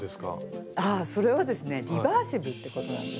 ああそれはですねリバーシブルってことなんですね。